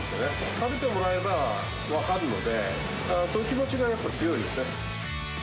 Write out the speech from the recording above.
食べてもらえれば分かるので、そういう気持ちがやっぱ強いですね。